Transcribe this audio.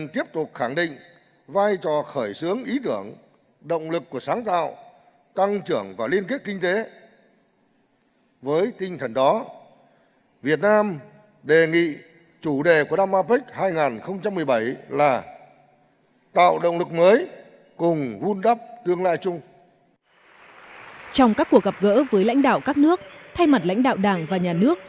trong các cuộc gặp gỡ với lãnh đạo các nước thay mặt lãnh đạo đảng và nhà nước